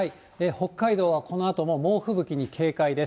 北海道はこのあとも猛吹雪に警戒です。